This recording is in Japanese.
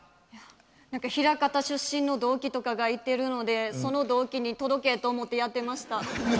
何か枚方出身の同期とかがいてるのでその同期に届けと思ってやってました。